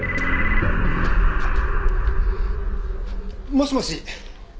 もしもし？